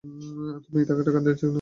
তুমি তাকে টাকা কেন দিয়েছ, বলরাম?